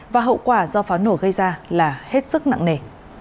và hậu quả do pháo nổ gây ra là hết sức nặng nề